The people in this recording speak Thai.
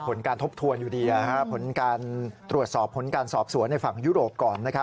ผลการทบทวนอยู่ดีผลการตรวจสอบผลการสอบสวนในฝั่งยุโรปก่อน